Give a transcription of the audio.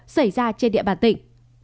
xảy ra trên địa bàn tỉnh